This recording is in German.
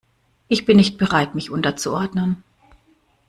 Ich bin nicht bereit, mich unterzuordnen.